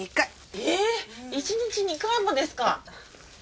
ええっ１日２回もですか！